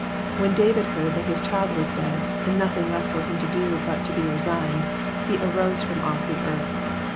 When David heard that his child was dead, and nothing left for him to do but to be resigned, he arose from off the earth."